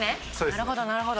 なるほどなるほど。